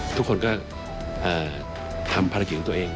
ทุกคนก็ทำภารกิจของตัวเอง